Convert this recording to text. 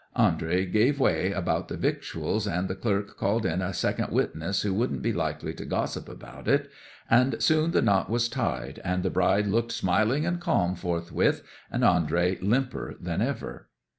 'Andrey gave way about the victuals, and the clerk called in a second witness who wouldn't be likely to gossip about it, and soon the knot was tied, and the bride looked smiling and calm forthwith, and Andrey limper than ever.